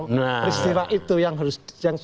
peristirahat itu yang harus